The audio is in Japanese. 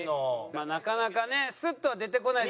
まあなかなかねスッとは出てこないでしょうけど。